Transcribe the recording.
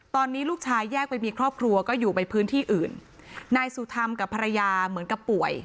ตอนนี้ลูกชายแยกไปมีครอบครัวก็อยู่ไปพื้นที่อื่นนายสุธรรมกับภรรยาเหมือนกับป่วย